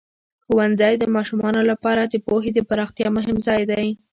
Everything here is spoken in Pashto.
ښوونځی د ماشومانو لپاره د پوهې د پراختیا مهم ځای دی.